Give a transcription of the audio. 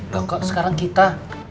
gak kok sekarang kita